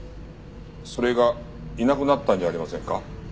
それがいなくなったんじゃありませんか？